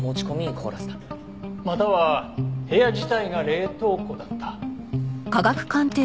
または部屋自体が冷凍庫だった。